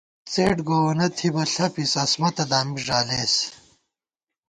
څېڈ گووَنہ تھِی بہ ݪَپی، عصمَتہ دامی ݫالېس